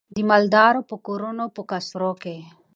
د مالدارو په کورونو په قصرو کي